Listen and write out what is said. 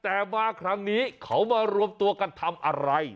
แต่มาครั้งนี้เขามารวมตัวกันทำอะไร